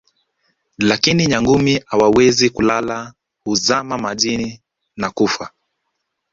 lakini Nyangumi hawawezi kulala huzama majini na kufa